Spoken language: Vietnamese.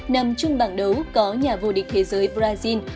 nằm trong bảng đấu có nhà vô địch thế giới brazil